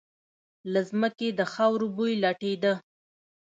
له ځمکې د خاورو بوی لټېده.